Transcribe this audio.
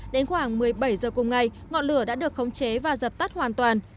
đến khoảng một mươi bảy h cùng ngày ngọn lửa đã được khống chế và dập tắt hoàn toàn